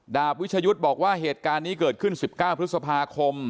ดาบวิชยุทธ์บอกว่าเหตุการณ์นี้เกิดขึ้น๑๙พฤษภาคม